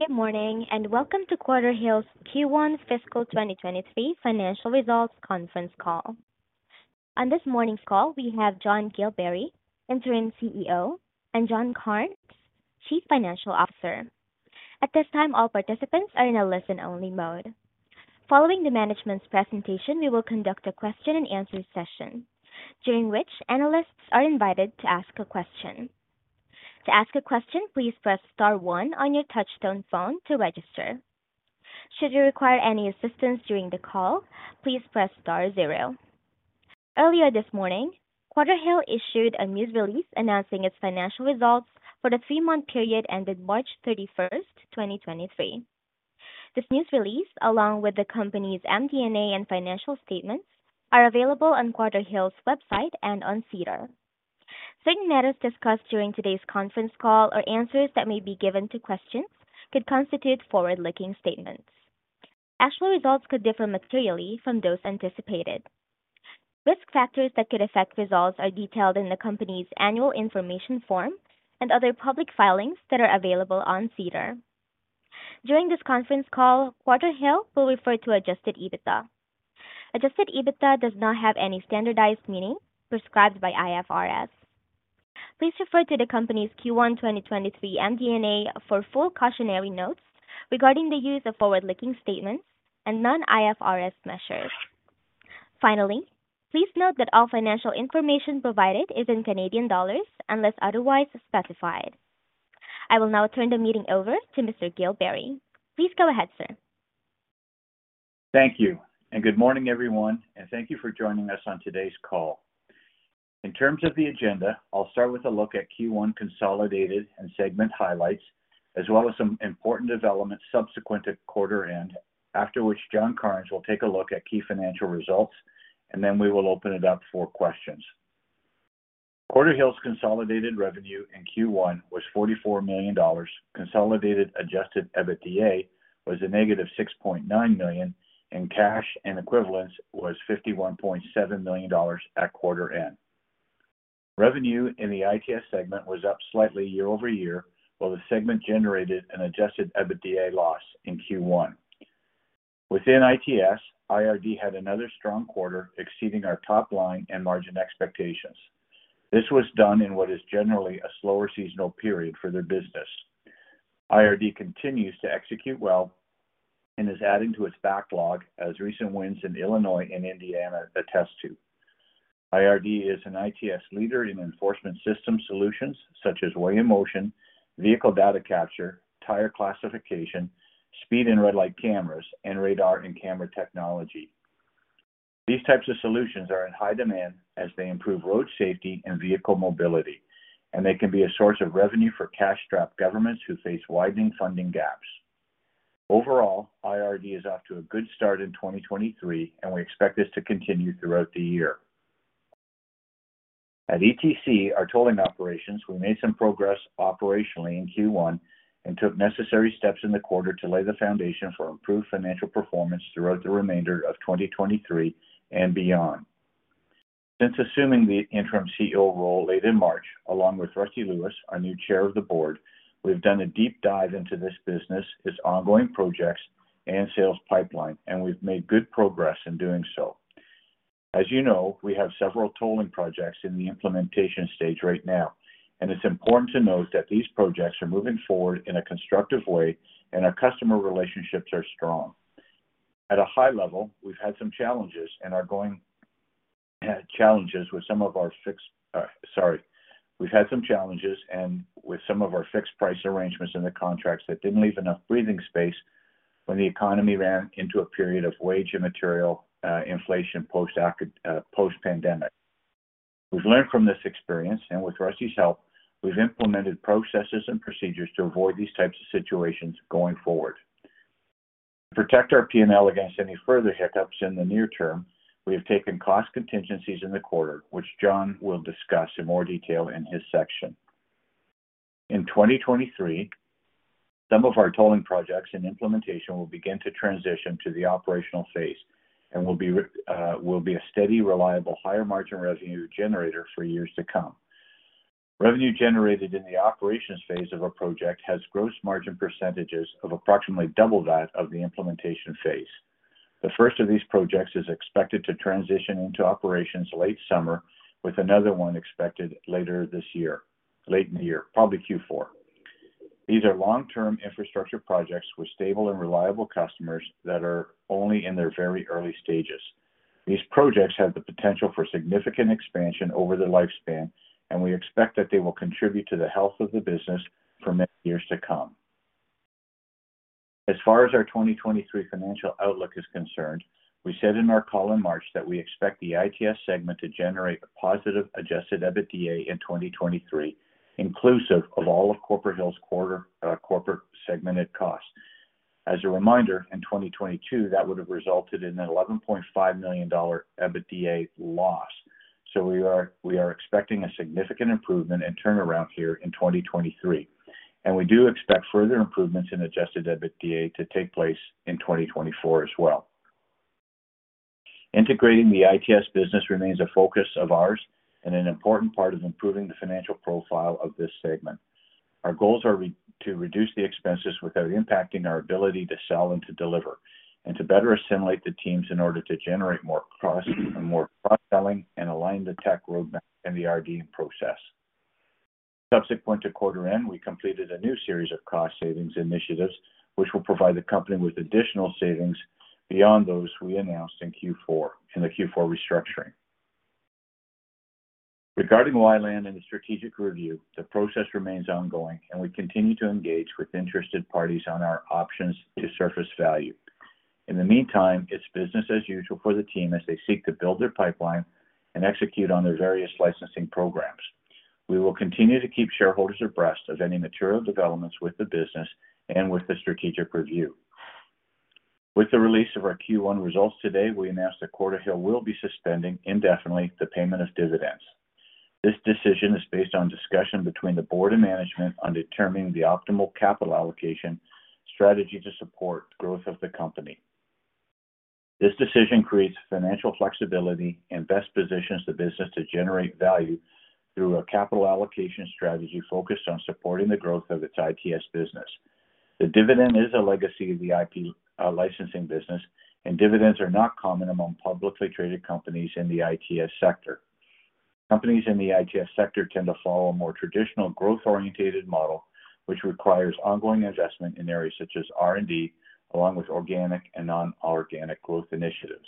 Good morning, welcome to Quarterhill's Q1 Fiscal 2023 financial results conference call. On this morning's call, we have John Gillberry, Interim CEO, and John Karnes, Chief Financial Officer. At this time, all participants are in a listen-only mode. Following the management's presentation, we will conduct a question-and-answer session, during which analysts are invited to ask a question. To ask a question, please press star one on your touchtone phone to register. Should you require any assistance during the call, please press star zero. Earlier this morning, Quarterhill issued a news release announcing its financial results for the three-month period ended March 31, 2023. This news release, along with the company's MD&A and financial statements, are available on Quarterhill's website and on SEDAR. Certain matters discussed during today's conference call or answers that may be given to questions could constitute forward-looking statements. Actual results could differ materially from those anticipated. Risk factors that could affect results are detailed in the company's annual information form and other public filings that are available on SEDAR. During this conference call, Quarterhill will refer to Adjusted EBITDA. Adjusted EBITDA does not have any standardized meaning prescribed by IFRS. Please refer to the company's Q1 2023 MD&A for full cautionary notes regarding the use of forward-looking statements and non-IFRS measures. Finally, please note that all financial information provided is in Canadian dollars unless otherwise specified. I will now turn the meeting over to Mr. Gilberry. Please go ahead, sir. Thank you. Good morning, everyone, and thank you for joining us on today's call. In terms of the agenda, I'll start with a look at Q1 consolidated and segment highlights, as well as some important developments subsequent to quarter end, after which John Karnes will take a look at key financial results, and then we will open it up for questions. Quarterhill's consolidated revenue in Q1 was 44 million dollars. Consolidated Adjusted EBITDA was a negative 6.9 million, and cash and equivalents was 51.7 million dollars at quarter end. Revenue in the ITS segment was up slightly year-over-year, while the segment generated an Adjusted EBITDA loss in Q1. Within ITS, IRD had another strong quarter, exceeding our top line and margin expectations. This was done in what is generally a slower seasonal period for their business. IRD continues to execute well and is adding to its backlog as recent wins in Illinois and Indiana attest to. IRD is an ITS leader in enforcement system solutions such as weigh-in-motion, vehicle data capture, tire classification, speed and red light cameras, and radar and camera technology. These types of solutions are in high demand as they improve road safety and vehicle mobility, and they can be a source of revenue for cash-strapped governments who face widening funding gaps. Overall, IRD is off to a good start in 2023, and we expect this to continue throughout the year. At ETC, our tolling operations, we made some progress operationally in Q1 and took necessary steps in the quarter to lay the foundation for improved financial performance throughout the remainder of 2023 and beyond. Since assuming the interim CEO role late in March, along with Rusty Lewis, our new Chair of the Board, we've done a deep dive into this business, its ongoing projects and sales pipeline, and we've made good progress in doing so. As you know, we have several tolling projects in the implementation stage right now, and it's important to note that these projects are moving forward in a constructive way and our customer relationships are strong. At a high level, we've had some challenges with some of our fixed price arrangements in the contracts that didn't leave enough breathing space when the economy ran into a period of wage and material inflation post-pandemic. We've learned from this experience, and with Rusty's help, we've implemented processes and procedures to avoid these types of situations going forward. To protect our P&L against any further hiccups in the near term, we have taken cost contingencies in the quarter, which John will discuss in more detail in his section. In 2023, some of our tolling projects in implementation will begin to transition to the operational phase and will be a steady, reliable, higher margin revenue generator for years to come. Revenue generated in the operations phase of a project has gross margin % of approximately double that of the implementation phase. The first of these projects is expected to transition into operations late summer, with another one expected later this year, late in the year, probably Q4. These are long-term infrastructure projects with stable and reliable customers that are only in their very early stages. These projects have the potential for significant expansion over their lifespan, and we expect that they will contribute to the health of the business for many years to come. As far as our 2023 financial outlook is concerned, we said in our call in March that we expect the ITS segment to generate a positive Adjusted EBITDA in 2023, inclusive of all of Quarterhill's corporate segmented costs. As a reminder, in 2022, that would have resulted in a 11.5 million dollar EBITDA loss. We are expecting a significant improvement and turnaround here in 2023, and we do expect further improvements in Adjusted EBITDA to take place in 2024 as well. Integrating the ITS business remains a focus of ours and an important part of improving the financial profile of this segment. Our goals are to reduce the expenses without impacting our ability to sell and to deliver, and to better assimilate the teams in order to generate more cost and more cross-selling and align the tech roadmap and the R&D process. Subsequent to quarter end, we completed a new series of cost savings initiatives which will provide the company with additional savings beyond those we announced in the Q4 restructuring. Regarding WiLAN and the strategic review, the process remains ongoing and we continue to engage with interested parties on our options to surface value. In the meantime, it's business as usual for the team as they seek to build their pipeline and execute on their various licensing programs. We will continue to keep shareholders abreast of any material developments with the business and with the strategic review. With the release of our Q1 results today, we announce that Quarterhill will be suspending indefinitely the payment of dividends. This decision is based on discussion between the board and management on determining the optimal capital allocation strategy to support growth of the company. This decision creates financial flexibility and best positions the business to generate value through a capital allocation strategy focused on supporting the growth of its ITS business. The dividend is a legacy of the IP licensing business, and dividends are not common among publicly traded companies in the ITS sector. Companies in the ITS sector tend to follow a more traditional growth-oriented model, which requires ongoing investment in areas such as R&D, along with organic and non-organic growth initiatives.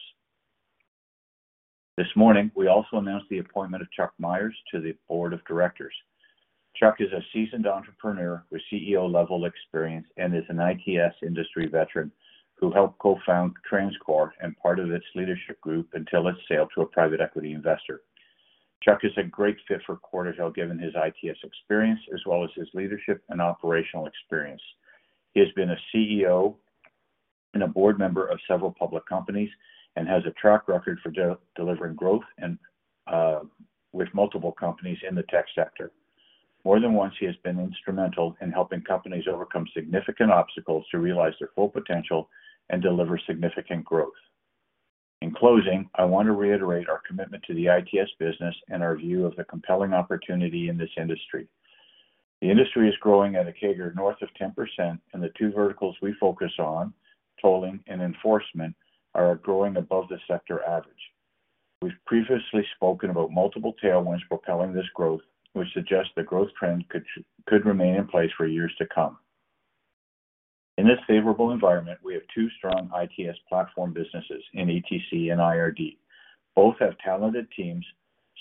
This morning, we also announced the appointment of Chuck Myers to the board of directors. Chuck is a seasoned entrepreneur with CEO-level experience and is an ITS industry veteran who helped co-found TransCore and part of its leadership group until its sale to a private equity investor. Chuck is a great fit for Quarterhill given his ITS experience as well as his leadership and operational experience. He has been a CEO and a board member of several public companies and has a track record for delivering growth with multiple companies in the tech sector. More than once, he has been instrumental in helping companies overcome significant obstacles to realize their full potential and deliver significant growth. In closing, I want to reiterate our commitment to the ITS business and our view of the compelling opportunity in this industry. The industry is growing at a CAGR north of 10%, and the two verticals we focus on, tolling and enforcement, are growing above the sector average. We've previously spoken about multiple tailwinds propelling this growth, which suggests the growth trend could remain in place for years to come. In this favorable environment, we have two strong ITS platform businesses in ETC and IRD. Both have talented teams,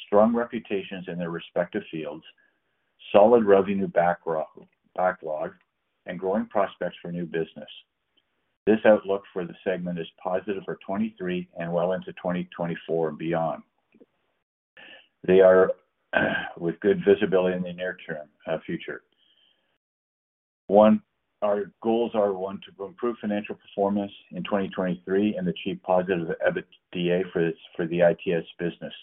strong reputations in their respective fields, solid revenue backlog, and growing prospects for new business. This outlook for the segment is positive for 2023 and well into 2024 and beyond. They are with good visibility in the near term future. One, our goals are, one, to improve financial performance in 2023 and achieve positive EBITDA for the ITS business.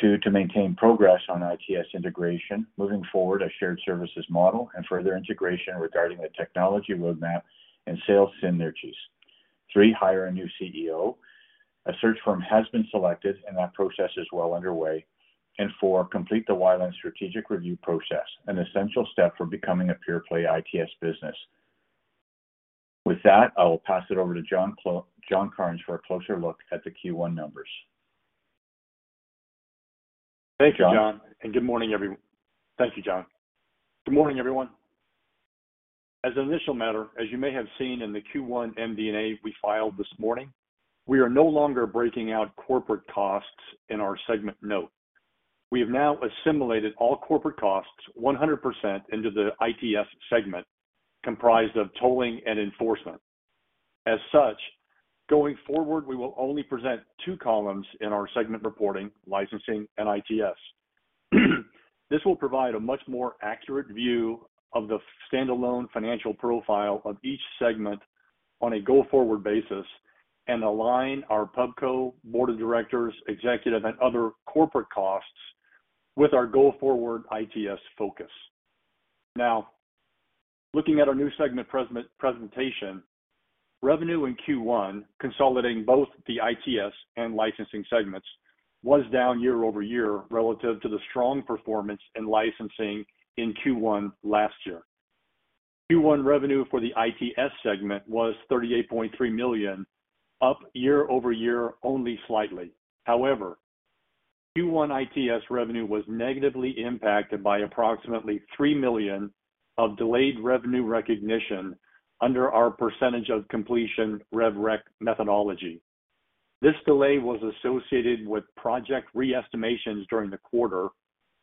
Two, to maintain progress on ITS integration, moving forward a shared services model and further integration regarding the technology roadmap and sales synergies. Three, hire a new CEO. A search firm has been selected and that process is well underway. Four, complete the WiLAN strategic review process, an essential step for becoming a pure-play ITS business. With that, I will pass it over to John Karnes for a closer look at the Q1 numbers. Thank you, John. Good morning, thank you, John. Good morning, everyone. As an initial matter, as you may have seen in the Q1 MD&A we filed this morning, we are no longer breaking out corporate costs in our segment notes. We have now assimilated all corporate costs 100% into the ITS segment, comprised of tolling and enforcement. Going forward, we will only present 2 columns in our segment reporting, licensing and ITS. This will provide a much more accurate view of the standalone financial profile of each segment on a go-forward basis and align our pubco board of directors, executive, and other corporate costs with our go-forward ITS focus. Looking at our new segment presentation, revenue in Q1, consolidating both the ITS and licensing segments, was down year-over-year relative to the strong performance in licensing in Q1 last year. Q1 revenue for the ITS segment was 38.3 million, up year-over-year only slightly. Q1 ITS revenue was negatively impacted by approximately 3 million of delayed revenue recognition under our percentage of completion rev rec methodology. This delay was associated with project re-estimations during the quarter,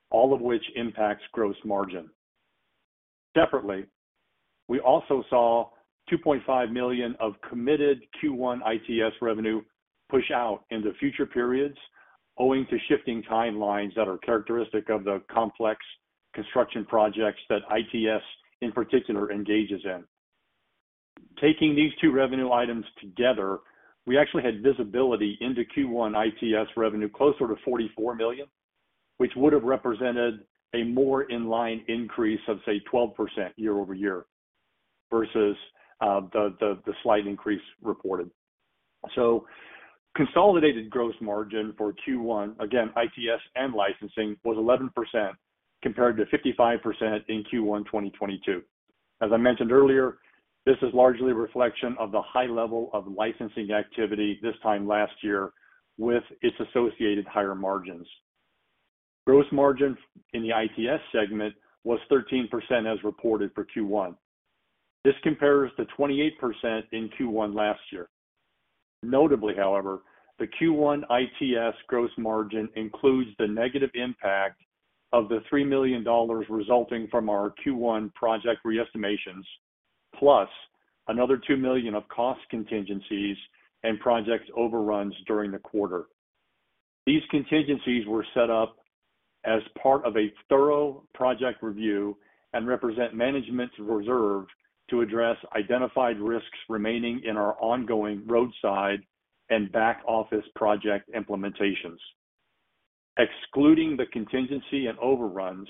all of which impacts gross margin. Separately, we also saw 2.5 million of committed Q1 ITS revenue push out into future periods owing to shifting timelines that are characteristic of the complex construction projects that ITS in particular engages in. Taking these two revenue items together, we actually had visibility into Q1 ITS revenue closer to 44 million, which would have represented a more in line increase of, say, 12% year-over-year. Versus the slight increase reported. Consolidated gross margin for Q1, again, ITS and licensing was 11% compared to 55% in Q1 2022. As I mentioned earlier, this is largely a reflection of the high level of licensing activity this time last year with its associated higher margins. Gross margin in the ITS segment was 13% as reported for Q1. This compares to 28% in Q1 last year. Notably, however, the Q1 ITS gross margin includes the negative impact of the 3 million dollars resulting from our Q1 project re-estimations, plus another 2 million of cost contingencies and project overruns during the quarter. These contingencies were set up as part of a thorough project review and represent management's reserve to address identified risks remaining in our ongoing roadside and back-office project implementations. Excluding the contingency and overruns,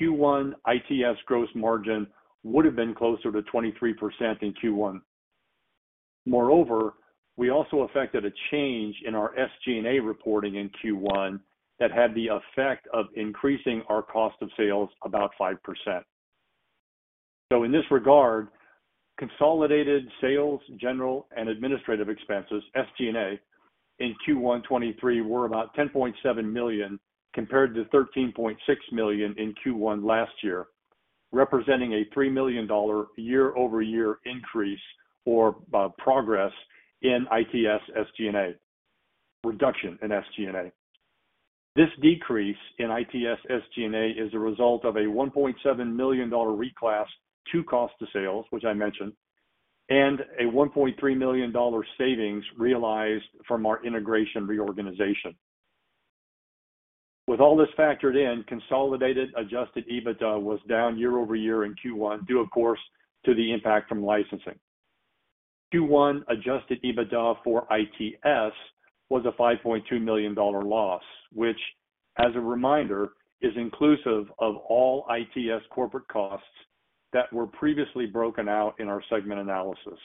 Q1 ITS gross margin would have been closer to 23% in Q1. Moreover, we also affected a change in our SG&A reporting in Q1 that had the effect of increasing our cost of sales about 5%. In this regard, consolidated sales, general, and administrative expenses, SG&A, in Q1 2023 were about 10.7 million, compared to 13.6 million in Q1 last year, representing a 3 million dollar year-over-year reduction in SG&A. This decrease in ITS SG&A is a result of a 1.7 million dollar reclass to cost of sales, which I mentioned, and a 1.3 million dollar savings realized from our integration reorganization. With all this factored in, consolidated Adjusted EBITDA was down year-over-year in Q1, due of course to the impact from licensing. Q1 Adjusted EBITDA for ITS was a 5.2 million dollar loss, which as a reminder, is inclusive of all ITS corporate costs that were previously broken out in our segment analysis.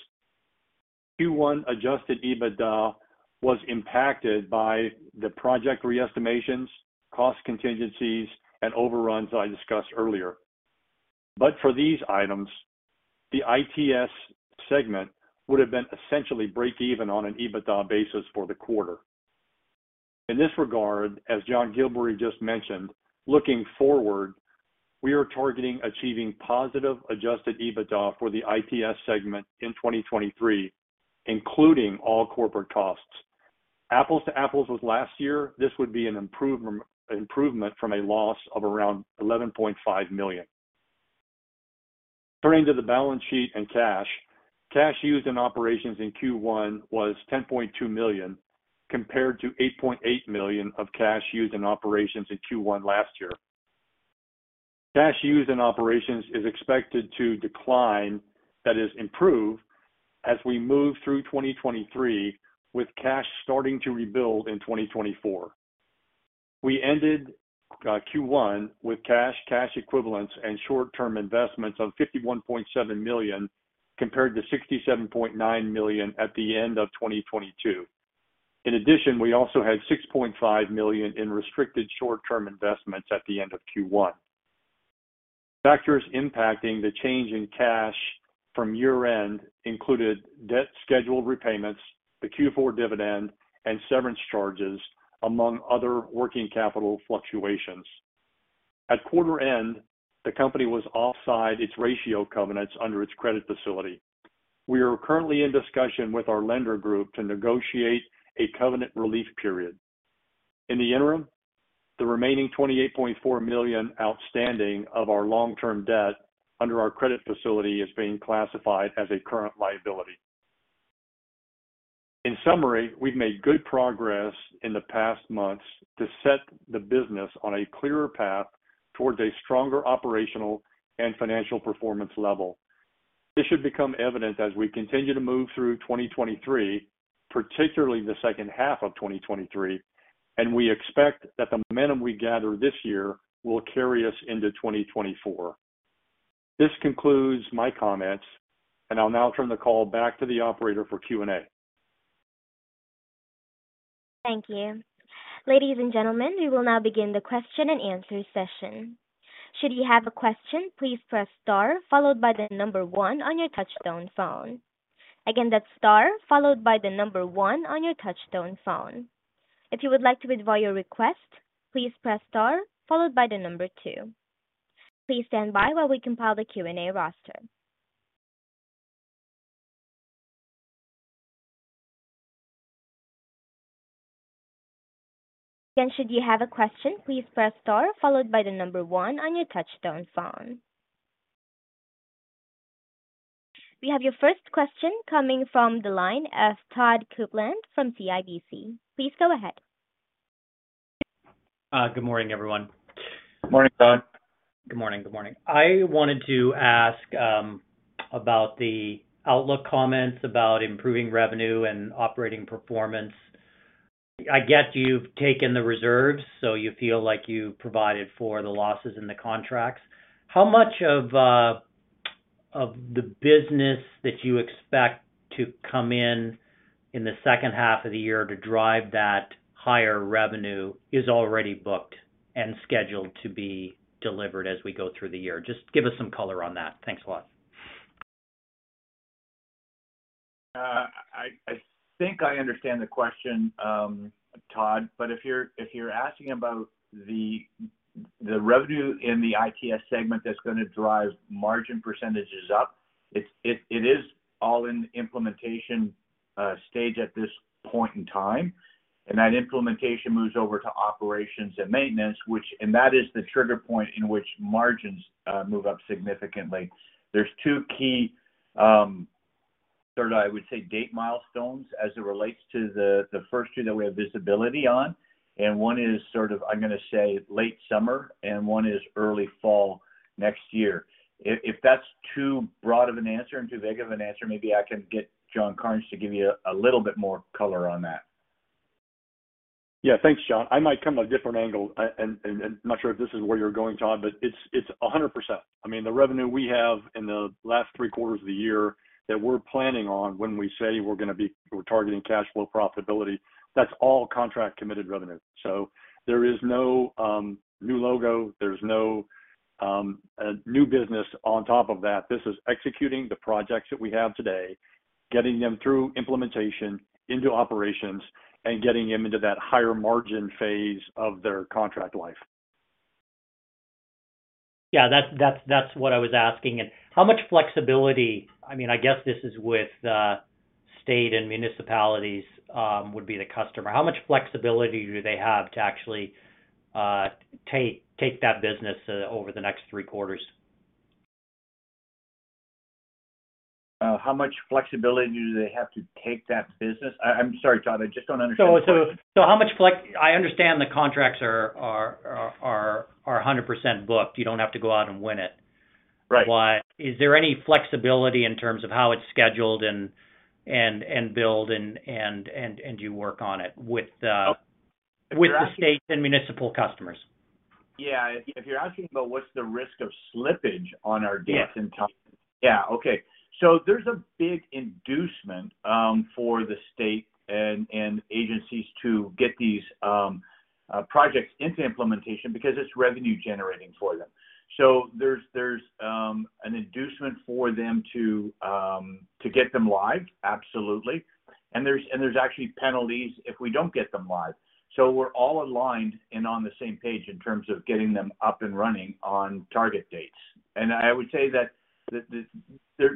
Q1 Adjusted EBITDA was impacted by the project re-estimations, cost contingencies, and overruns I discussed earlier. For these items, the ITS segment would have been essentially break even on an EBITDA basis for the quarter. In this regard, as John Gillberry just mentioned, looking forward, we are targeting achieving positive Adjusted EBITDA for the ITS segment in 2023, including all corporate costs. Apples to apples with last year, this would be an improvement from a loss of around 11.5 million. Turning to the balance sheet and cash. Cash used in operations in Q1 was 10.2 million, compared to 8.8 million of cash used in operations in Q1 last year. Cash used in operations is expected to decline, that is improve, as we move through 2023, with cash starting to rebuild in 2024. We ended Q1 with cash equivalents, and short-term investments of 51.7 million, compared to 67.9 million at the end of 2022. In addition, we also had 6.5 million in restricted short-term investments at the end of Q1. Factors impacting the change in cash from year-end included debt scheduled repayments, the Q4 dividend, and severance charges, among other working capital fluctuations. At quarter end, the company was offside its ratio covenants under its credit facility. We are currently in discussion with our lender group to negotiate a covenant relief period. In the interim, the remaining 28.4 million outstanding of our long-term debt under our credit facility is being classified as a current liability. In summary, we've made good progress in the past months to set the business on a clearer path towards a stronger operational and financial performance level. This should become evident as we continue to move through 2023, particularly the second half of 2023, and we expect that the momentum we gather this year will carry us into 2024. This concludes my comments, and I'll now turn the call back to the operator for Q&A. Thank you. Ladies and gentlemen, we will now begin the question and answer session. Should you have a question, please press star followed by the number 1 on your touchtone phone. Again, that's star followed by the number 1 on your touchtone phone. If you would like to withdraw your request, please press star followed by the number 2. Please stand by while we compile the Q&A roster. Again, should you have a question, please press star followed by the number 1 on your touchtone phone. We have your first question coming from the line of Todd Coupland from CIBC. Please go ahead. Good morning, everyone. Morning, Todd. Good morning. I wanted to ask about the outlook comments about improving revenue and operating performance. I get you've taken the reserves. You feel like you've provided for the losses in the contracts. How much of the business that you expect to come in in the second half of the year to drive that higher revenue is already booked and scheduled to be delivered as we go through the year? Just give us some color on that. Thanks a lot. I think I understand the question, Todd, but if you're asking about the revenue in the ITS segment that's gonna drive margin % up, it is all in the implementation stage at this point in time. That implementation moves over to operations and maintenance, and that is the trigger point in which margins move up significantly. There's 2 key sort of I would say date milestones as it relates to the first year that we have visibility on, and one is sort of, I'm gonna say late summer, and one is early fall next year. If that's too broad of an answer and too vague of an answer, maybe I can get John Karnes to give you a little bit more color on that. Yeah. Thanks, John. I might come at a different angle. I'm not sure if this is where you're going, Todd, but it's 100%. I mean, the revenue we have in the last 3 quarters of the year that we're planning on when we say we're targeting cash flow profitability, that's all contract-committed revenue. There is no new logo. There's no new business on top of that. This is executing the projects that we have today, getting them through implementation into operations, and getting them into that higher margin phase of their contract life. Yeah, that's what I was asking. I mean, I guess this is with state and municipalities would be the customer. How much flexibility do they have to actually take that business over the next three quarters? How much flexibility do they have to take that business? I'm sorry, Todd, I just don't understand the question. I understand the contracts are 100% booked. You don't have to go out and win it. Right. Is there any flexibility in terms of how it's scheduled and billed and you work on it with. If you're asking- With the state and municipal customers. Yeah. If you're asking about what's the risk of slippage on our dates and times- Yeah. Yeah. Okay. There's a big inducement for the state and agencies to get these projects into implementation because it's revenue generating for them. There's an inducement for them to get them live, absolutely. There's actually penalties if we don't get them live. We're all aligned and on the same page in terms of getting them up and running on target dates. I would say that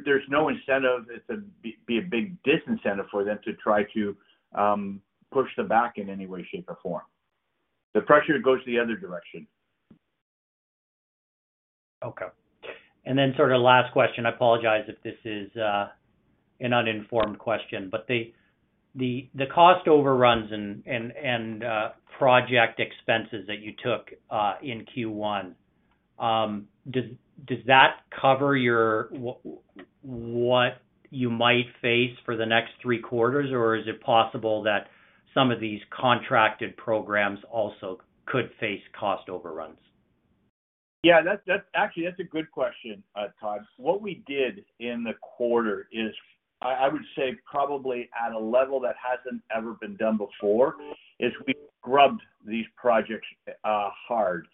there's no incentive that would be a big disincentive for them to try to push them back in any way, shape, or form. The pressure goes the other direction. Okay. Then sort of last question, I apologize if this is an uninformed question. The cost overruns and project expenses that you took in Q1, does that cover your what you might face for the next 3 quarters, or is it possible that some of these contracted programs also could face cost overruns? Yeah, that's actually, that's a good question, Todd. What we did in the quarter is, I would say probably at a level that hasn't ever been done before, is we scrubbed these projects hard.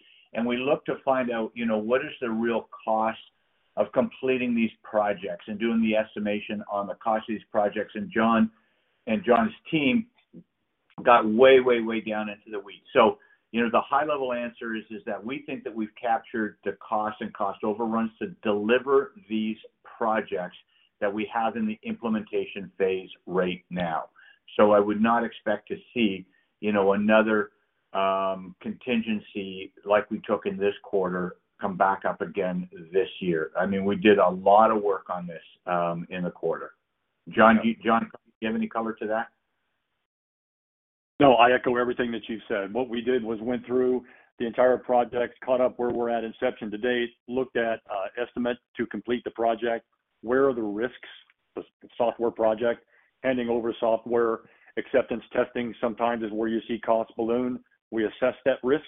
We looked to find out, you know, what is the real cost of completing these projects and doing the estimation on the cost of these projects. John and John's team got way down into the weeds. You know, the high level answer is that we think that we've captured the cost and cost overruns to deliver these projects that we have in the implementation phase right now. I would not expect to see, you know, another contingency like we took in this quarter come back up again this year. I mean, we did a lot of work on this in the quarter. John, do you have any color to that? No. I echo everything that you've said. What we did was went through the entire project, caught up where we're at inception to date, looked at estimate to complete the project, where are the risks with software project. Handing over software acceptance testing sometimes is where you see costs balloon. We assessed that risk.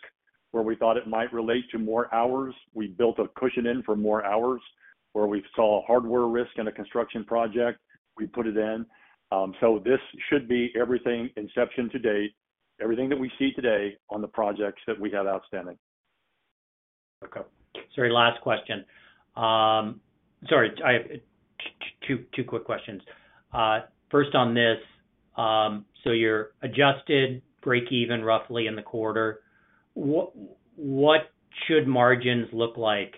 Where we thought it might relate to more hours, we built a cushion in for more hours. Where we saw hardware risk in a construction project, we put it in. This should be everything inception to date, everything that we see today on the projects that we have outstanding. Okay. Sorry, last question. Sorry, I... 2 quick questions. First on this, your adjusted breakeven roughly in the quarter, what should margins look like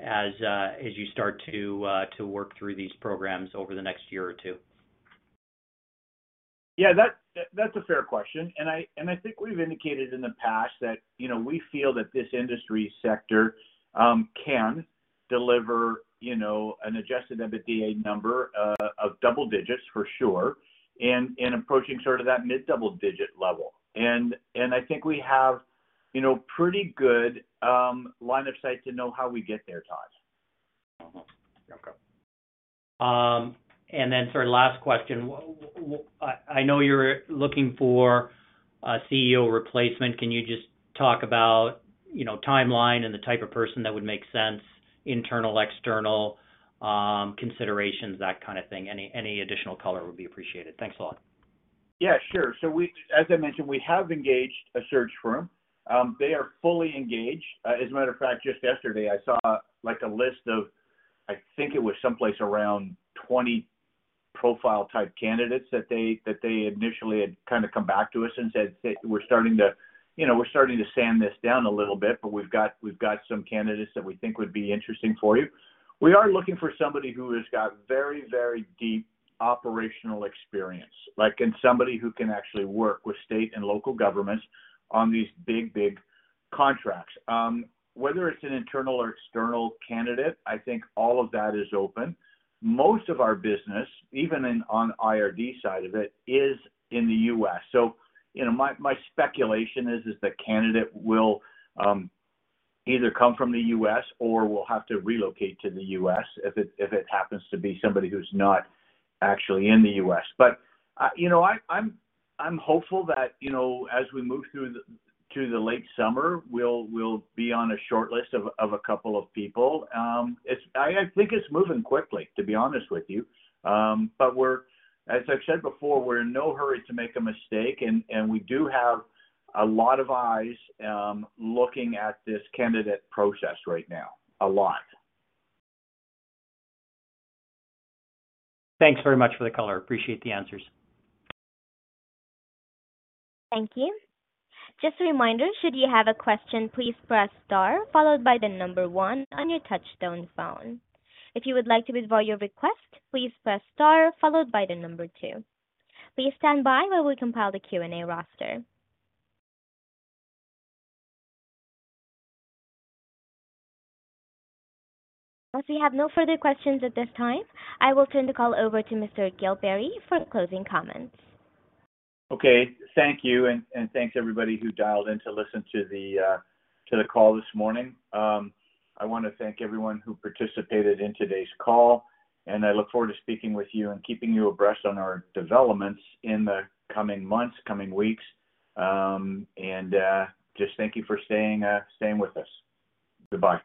as you start to work through these programs over the next year or 2? Yeah, that's a fair question. I think we've indicated in the past that, you know, we feel that this industry sector can deliver, you know, an Adjusted EBITDA number of double digits for sure, and approaching sort of that mid double digit level. I think we have, you know, pretty good line of sight to know how we get there, Todd Coupland. Then sort of last question. I know you're looking for a CEO replacement. Can you just talk about, you know, timeline and the type of person that would make sense, internal, external, considerations, that kind of thing? Any additional color would be appreciated. Thanks a lot. Yeah, sure. As I mentioned, we have engaged a search firm. They are fully engaged. As a matter of fact, just yesterday, I saw, like, a list of I think it was someplace around 20 profile-type candidates that they, that they initially had kinda come back to us and said, "We're starting to, you know, we're starting to sand this down a little bit, but we've got, we've got some candidates that we think would be interesting for you." We are looking for somebody who has got very, very deep operational experience. Like, and somebody who can actually work with state and local governments on these big, big contracts. Whether it's an internal or external candidate, I think all of that is open. Most of our business, even in on IRD side of it, is in the US You know, my speculation is the candidate will either come from the US or will have to relocate to the US if it happens to be somebody who's not actually in the US You know what? I'm hopeful that, you know, as we move through to the late summer, we'll be on a shortlist of a couple of people. I think it's moving quickly, to be honest with you. As I've said before, we're in no hurry to make a mistake, and we do have a lot of eyes looking at this candidate process right now, a lot. Thanks very much for the color. Appreciate the answers. Thank you. Just a reminder, should you have a question, please press star followed by 1 on your touchtone phone. If you would like to withdraw your request, please press star followed by 2. Please stand by while we compile the Q&A roster. As we have no further questions at this time, I will turn the call over to Mr. Gilberry for closing comments. Okay. Thank you, and thanks everybody who dialed in to listen to the call this morning. I wanna thank everyone who participated in today's call, and I look forward to speaking with you and keeping you abreast on our developments in the coming months, coming weeks. Just thank you for staying with us. Goodbye.